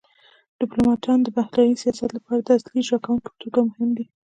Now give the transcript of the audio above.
ډیپلوماتان د بهرني سیاست لپاره د اصلي اجرا کونکو په توګه مهم دي